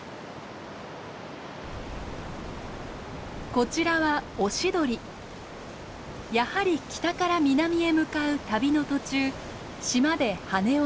こちらはやはり北から南へ向かう旅の途中島で羽を休めます。